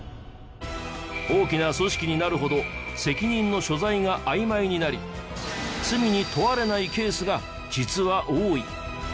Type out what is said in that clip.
大きな組織になるほど責任の所在があいまいになり罪に問われないケースが実は多い。